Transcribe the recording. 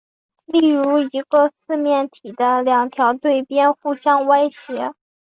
例如一个四面体的两条对边互相歪斜。